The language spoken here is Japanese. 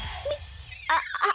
あっああ。